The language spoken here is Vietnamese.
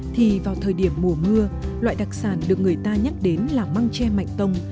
thì vào thời điểm mùa mưa loại đặc sản được người ta nhắc đến là măng tre mạnh tông